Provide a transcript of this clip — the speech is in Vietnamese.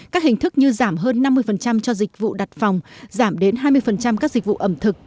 các hình thức như giảm hơn năm mươi cho dịch vụ đặt phòng giảm đến hai mươi các dịch vụ ẩm thực